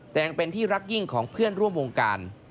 แต่ยังเป็นที่รักยิ่งของเพื่อนร่วมวงการ